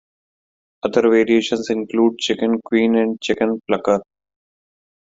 Other variations include chicken queen and chicken plucker.